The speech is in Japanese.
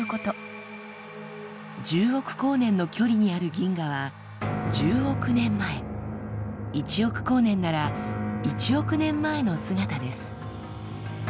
１０億光年の距離にある銀河は１０億年前１億光年なら１億年前の姿です。